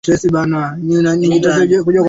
iliishinda timu ya west india